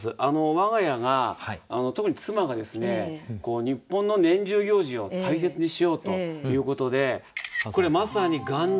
我が家が特に妻がですね日本の年中行事を大切にしようということでこれまさに元日。